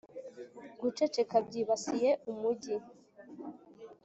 guceceka byibasiye umujyi,